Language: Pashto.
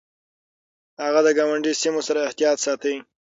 هغه د ګاونډي سيمو سره احتياط ساته.